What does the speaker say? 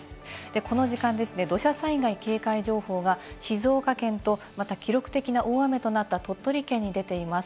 この時間ですね、土砂災害警戒情報が、静岡県と、また記録的な大雨となった鳥取県に出ています。